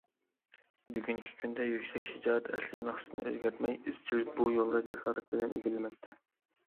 بۈگۈنكى كۈندە، يۈكسەك شىجائەت ئەسلىي مەقسىتىنى ئۆزگەرتمەي، ئىزچىل بۇ يولدا جاسارەت بىلەن ئىلگىرىلىمەكتە.